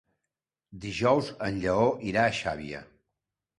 Dijous en Lleó irà a Xàbia.